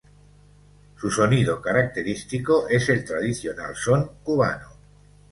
Su sonido característico es el tradicional son cubano.